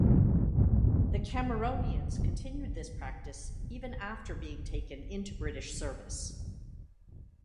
The Cameronians continued this practice even after being taken into British service.